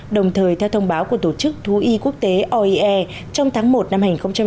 đồng thời theo thông báo của tổ chức thú y quốc tế trong tháng một năm hai nghìn một mươi bảy